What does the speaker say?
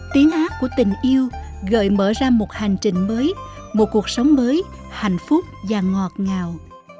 tiếng hát của tình yêu gợi mở ra một hành trình mới một cuộc sống mới hạnh phúc và ngọt ngào